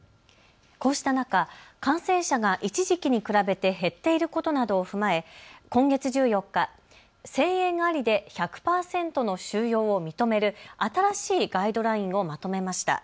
こうした中、感染者が一時期に比べて減っていることなどを踏まえ今月１４日、声援ありで１００％の収容を認める新しいガイドラインをまとめました。